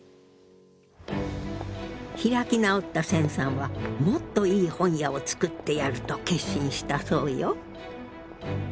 開き直った銭さんはもっといい本屋を作ってやると決心したそうよ。